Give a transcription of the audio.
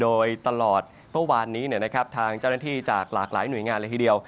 โดยตลอดเมื่อวานนี้ทางเจ้าหน้าที่จากหลากหลายหน่วยงานเลยทีเดียว